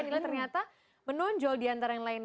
ini ternyata menonjol di antara yang lain